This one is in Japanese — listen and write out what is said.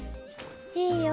いいよ